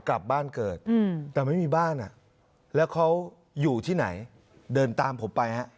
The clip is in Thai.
กลับบ้านเกิดแต่ไม่มีบ้านแล้วเขาอยู่ที่ไหนเดินตามผมไปฮะ